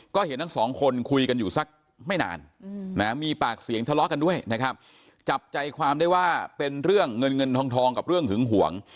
ก็เห็นทั้งสองคนคุยกันอยู่สักไม่นานมีปากเสียงทะเลาะกันด้วยนะครับจับใจความได้ว่าเป็นเรื่องเงินเงินทองกับเรื่องหึงห่วง